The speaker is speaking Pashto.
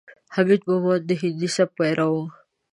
حمید مومند د هندي سبک پیرو ؤ.